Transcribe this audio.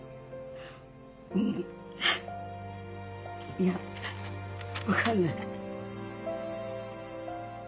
いやわかんない。